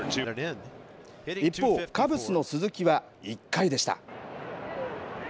一方、カブスの鈴木は、１回でした。